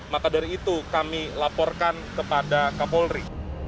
maka dari itu kami laporkan kepada kapolri